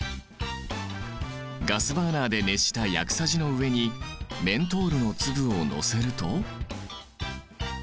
ガスバーナーで熱した薬さじの上にメントールの粒を載せると。